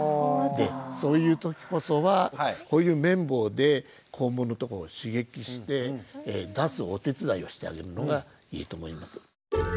そういう時こそはこういう綿棒で肛門のところを刺激して出すお手伝いをしてあげるのがいいと思います。